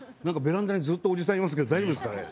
なんかベランダにずっとおじさんいますけど大丈夫ですか？